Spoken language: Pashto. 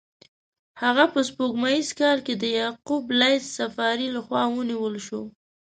هغه په سپوږمیز کال کې د یعقوب لیث صفاري له خوا ونیول شو.